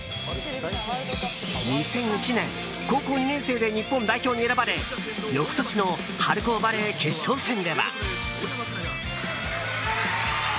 ２００１年高校２年生で日本代表に選ばれ翌年の春高バレー決勝戦では。